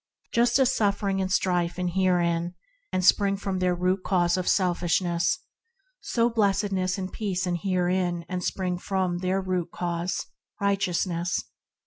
Just as the suffering and strife inhere in and spring from their root cause, selfishness, so blessedness and peace inhere in and spring from their root cause, righteousness.